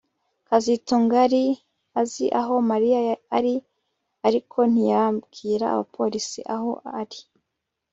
kazitunga yari azi aho Mariya ari ariko ntiyabwira abapolisi aho ari